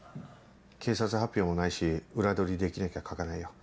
警察発表もないし裏取りできなきゃ書かないよ。